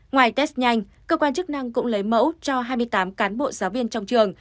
ngoài test nhanh cơ quan chức năng cũng lấy mẫu cho hai mươi tám cán bộ giáo viên trong trường